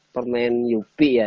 permain yupi ya